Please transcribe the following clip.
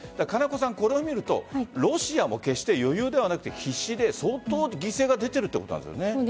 これを見るとロシアは決して余裕ではなく必死で相当、犠牲が出ているということなんですよね。